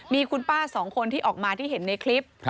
มีคุณป้าสองคนที่ออกมาที่เห็นในคลิป